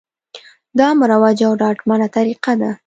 دا مروجه او ډاډمنه طریقه ده